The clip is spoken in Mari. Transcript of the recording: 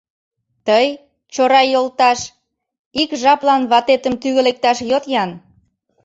Тый, Чорай йолташ, ик жаплан ватетым тӱгӧ лекташ йод-ян...